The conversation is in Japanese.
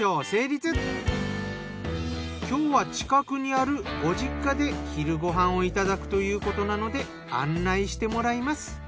今日は近くにあるご実家で昼ご飯をいただくということなので案内してもらいます。